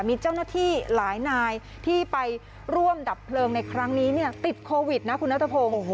มีเจ้าหน้าที่หลายนายที่ไปร่วมดับเพลิงในครั้งนี้เนี่ยติดโควิดนะคุณนัทพงศ์